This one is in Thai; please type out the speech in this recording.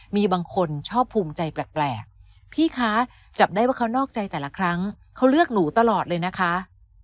มีบางคนชอบภูมิใจแปลกพี่คะจับได้ว่าเขานอกใจแต่ละครั้งเขาเลือกหนูตลอดเลยนะคะ